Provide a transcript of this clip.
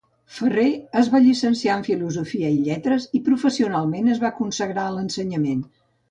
Ferrer es va llicenciar en Filosofia i lletres i professionalment es va consagrar a l'ensenyament.